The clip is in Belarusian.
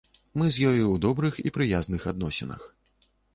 Мы з ёю ў добрых і прыязных адносінах.